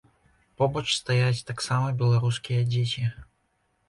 Побач стаяць таксама беларускія дзеці.